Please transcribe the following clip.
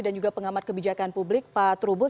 dan juga pengamat kebijakan publik pak trubus